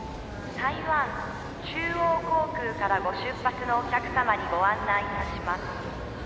「台湾中央航空からご出発のお客様にご案内いたします」